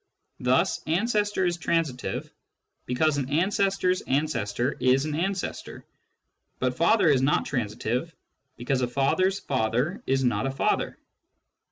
Thus " ancestor " is transitive, because an ancestor's ancestor is an ancestor ; but " father " is not transitive, because a father's father is not a father.